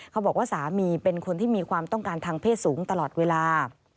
เขาบอกว่าสามีเป็นคนที่มีความต้องการทางเพศสูงตลอดเวลา